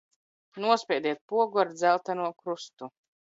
Nospiediet pogu ar dzelteno krustu.